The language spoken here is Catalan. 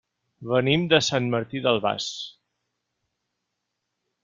Venim de Sant Martí d'Albars.